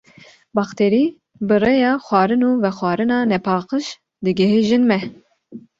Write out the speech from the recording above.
Bakterî bi rêya xwarin û vexwarina nepaqij digihêjin me.